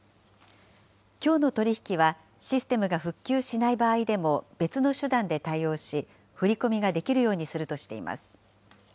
きょうの取り引きは、システムが復旧しない場合でも別の手段で対応し、振り込みができるようにするとしています。